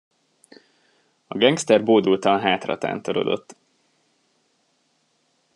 A gengszter bódultan hátratántorodott.